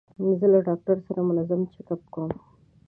زه له ډاکټر سره منظم چیک اپ کوم.